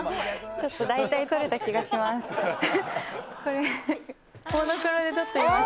ちょっと大体撮れた気がします。